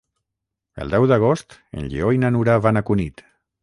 El deu d'agost en Lleó i na Nura van a Cunit.